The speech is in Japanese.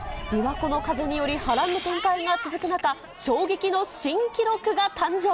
琵琶湖の風により、波乱の展開が続く中、衝撃の新記録が誕生。